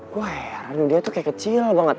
gue heran dia tuh kayak kecil banget